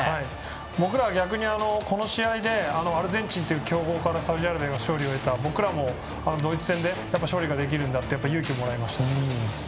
僕らは逆にこの試合でアルゼンチンという強豪からサウジアラビアが勝利を得た僕らもドイツ戦で勝利できるんだと勇気をもらいましたね。